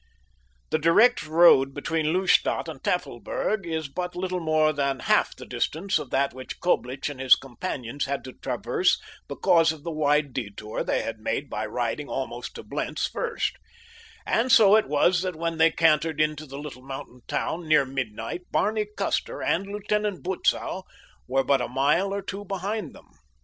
The direct road between Lustadt and Tafelberg is but little more than half the distance of that which Coblich and his companions had to traverse because of the wide detour they had made by riding almost to Blentz first, and so it was that when they cantered into the little mountain town near midnight Barney Custer and Lieutenant Butzow were but a mile or two behind them.